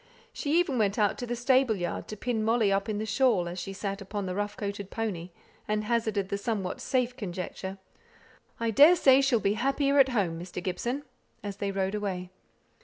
She even went out into the stable yard to pin Molly up in the shawl, as she sate upon the rough coated pony, and hazarded the somewhat safe conjecture, "I daresay she'll be happier at home, Mr. Gibson," as they rode away.